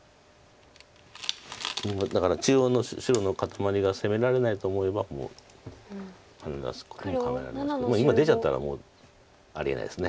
だから中央の白の固まりが攻められないと思えばもうハネ出すことも考えられますけど今出ちゃったからもうありえないです。